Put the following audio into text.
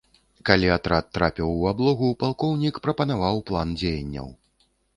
Калі атрад трапіў у аблогу, палкоўнік прапанаваў план дзеянняў.